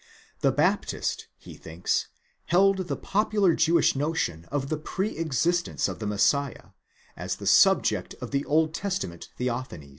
The Baptist, he thinks, held the popular Jewish notion of the pre existence of the Messiah, as the subject of the Old Testament theophanies.